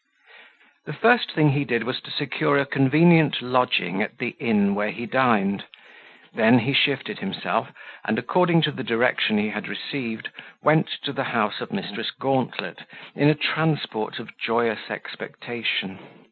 The first thing he did was to secure a convenient lodging at the inn where he dined; then he shifted himself, and, according to the direction he had received, went to the house of Mrs. Gauntlet in a transport of joyous expectation.